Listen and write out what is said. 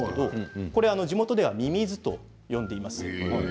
これは地元ではミミズと呼んでいます。